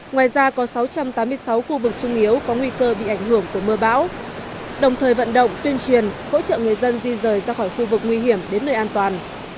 ngoài ra có sáu trăm tám mươi sáu khu vực sung yếu có nguy cơ bị ảnh hưởng của mưa bão đồng thời vận động tuyên truyền hỗ trợ người dân di rời ra khỏi khu vực nguy hiểm đến nơi an toàn